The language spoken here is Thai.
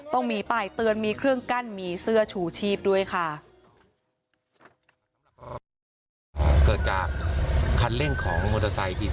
ต้องมีป้ายเตือนมีเครื่องกั้นมีเสื้อชูชีพด้วยค่ะ